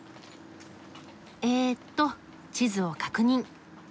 えっと地図を確認。